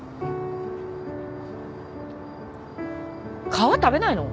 皮食べないの？